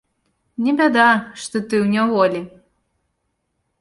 Не бяда, што ты ў няволі.